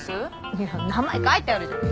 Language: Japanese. いや名前書いてあるじゃん。